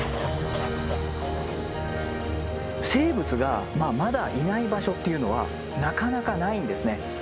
生物がまだいない場所っていうのはなかなかないんですね。